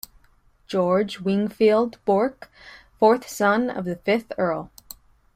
George Wingfield Bourke, fourth son of the fifth Earl.